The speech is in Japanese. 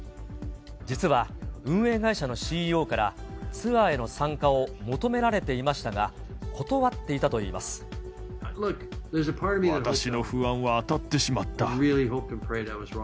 実は運営会社のＣＥＯからツアーへの参加を求められていましたが、私の不安は当たってしまった。